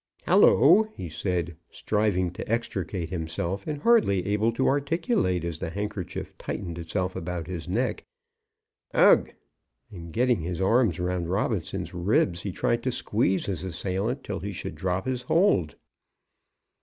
"Halloo," he said, striving to extricate himself, and hardly able to articulate, as the handkerchief tightened itself about his neck. "Ugh h h." And getting his arm round Robinson's ribs he tried to squeeze his assailant till he should drop his hold.